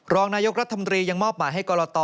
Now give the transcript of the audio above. รองนายกรัฐมนตรียังมอบหมายให้กรต